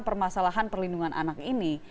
permasalahan perlindungan anak ini